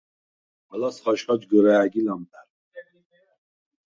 ალას ხაჟხა ჯგჷრა̄̈გი ლამპა̈რ.